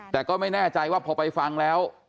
แต่ก็ไม่แน่ใจว่าพอไปฟังแล้ว